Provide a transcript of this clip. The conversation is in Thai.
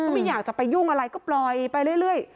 ไม่อยากจะไปยุ่งอะไรก็ปล่อยไปเรื่อย